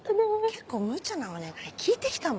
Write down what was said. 結構むちゃなお願い聞いてきたもん。